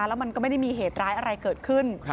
แล้วมันก็ไม่ได้มีเหตุร้ายอะไรเกิดขึ้น